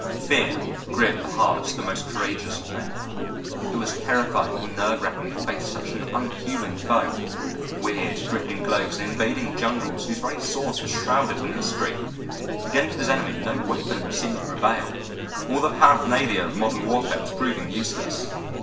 Fear gripped the hearts of the most courageous of men. It was terrifying and nerve racking to face such an unhuman foe weird, drifting globes and invading jungles whose very source was shrouded in mystery. Against this enemy no weapons seemed to prevail. All the paraphernalia of modern warfare was proving useless.